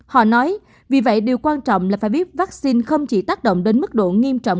họ nói vì vậy điều quan trọng là phải biết vaccine không chỉ tác động đến mức độ nghiêm trọng